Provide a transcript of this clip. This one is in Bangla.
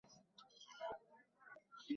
এতে তারা সকলে অতীব খুশি হল।